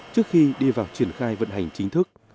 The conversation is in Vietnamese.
trước khi đi vào triển khai vận hành chính thức